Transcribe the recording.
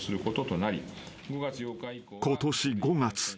［ことし５月］